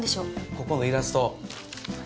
ここのイラスト